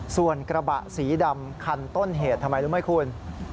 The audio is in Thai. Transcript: ส่วนกระบะสีดำคันต้นเหตุทำไมรู้ไหมคุณ